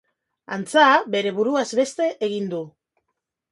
Antza, bere buruaz beste egin du.